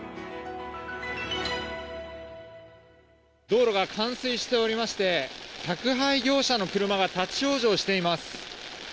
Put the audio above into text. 道路が冠水しておりまして宅配業者の車が立ち往生しています。